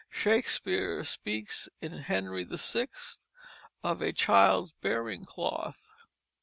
Shakespeare speaks in Henry VI. of a child's bearing cloth.